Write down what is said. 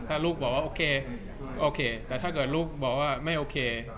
ถ้าลูกบอกว่าโอเคโอเคแต่ถ้าเกิดลูกบอกว่าไม่โอเค